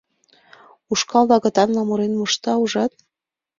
Ушкал агытанла мурен мошта, ужат?